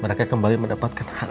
mereka kembali mendapatkan hak